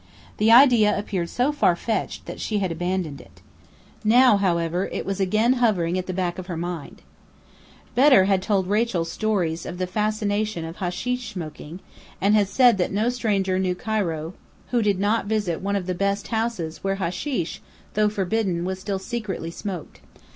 The idea appeared so far fetched that she had abandoned it. Now, however, it was again hovering at the back of her mind. Bedr had told Rachel stories of the fascination of hasheesh smoking, and had said that no stranger knew Cairo who did not visit one of the "best houses" where hasheesh, though forbidden, was still secretly smoked.